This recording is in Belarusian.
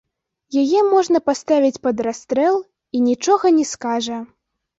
Яе можна паставіць пад расстрэл, і нічога не скажа.